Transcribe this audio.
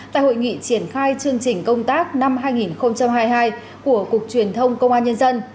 tại hội nghị triển khai chương trình công tác năm hai nghìn hai mươi hai của cục truyền thông công an nhân dân